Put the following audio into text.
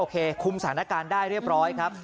คุมสถานการณ์ได้เรียบร้อยครับ